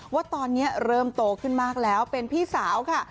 ว่าตอนนี้เริ่มโตขึ้นมากแล้วเป็นพี่สาวค่ะ